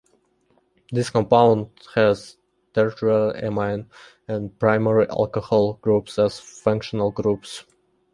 This compound has tertiary amine and primary alcohol groups as functional groups.